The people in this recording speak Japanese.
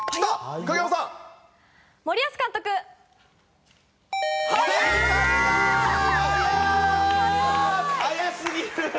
早すぎる！